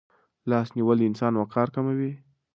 لاس نیول د انسان وقار کموي.